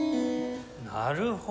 なるほど！